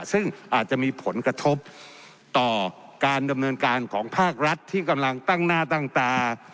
ซึ่งอาจจะมีผลกระทบต่อการดำเนินการของภาครัฐที่กำลังตั้งหน้าตั้งตา